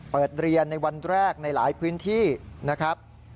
เปิดเรียนในวันแรกในหลายพื้นที่นะครับ